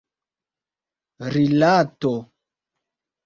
rilato